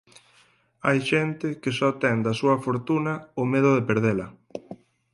Hai xente que só ten da súa fortuna o medo de perdela.